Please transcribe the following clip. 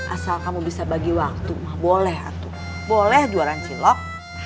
asal kamu bisa bagi waktu boleh atau boleh jualan cilok